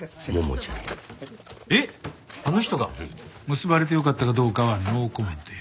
うん。結ばれてよかったかどうかはノーコメントや。